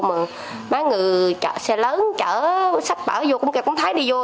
mà mấy người xe lớn chở sách bảo vô cũng thấy đi vô